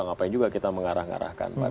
ngapain juga kita mengarah ngarahkan